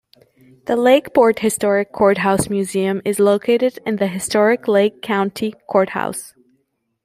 The Lakeport Historic Courthouse Museum is located in the historic Lake County Courthouse.